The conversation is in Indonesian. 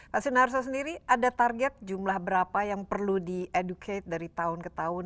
pak sunarso sendiri ada target jumlah berapa yang perlu di educate dari tahun ke tahun